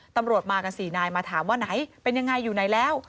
ตำรวจมากัน๔นายมาถามว่าไหนเป็นยังไงอยู่ไหนแล้ว